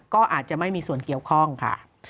ก็อาจจะไม่มีส่วนเกี่ยวข้องค่ะ